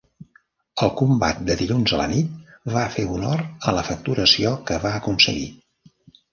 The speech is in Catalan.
El combat de dilluns a la nit va fer honor a la facturació que va aconseguir.